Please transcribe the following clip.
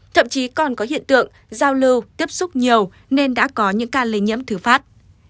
thậm chí còn có hiện tượng giao lưu tiếp xúc nhiều nên đã có những ca lây nhiễm thử phát